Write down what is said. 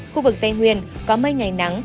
khu vực tây nguyên có mây ngày nắng